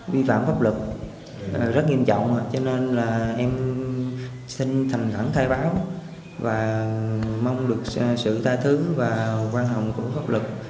vi phạm pháp lực rất nghiêm trọng cho nên là em xin thầm thẳng thay báo và mong được sự tha thứ và quan hồng của pháp lực